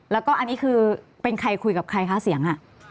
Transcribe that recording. แล้วก็อันนี้คือเป็นใครคุยกับใครคะเสียง